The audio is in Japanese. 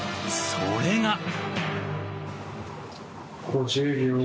それが。